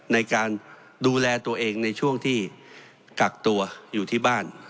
ในการดูแลตัวเองในช่วงที่กักตัวอยู่ที่บ้าน